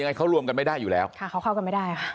เขารวมกันไม่ได้อยู่แล้วค่ะเขาเข้ากันไม่ได้ค่ะ